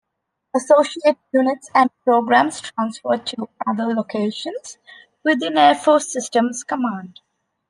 Associate units and programs transferred to other locations within Air Force Systems Command.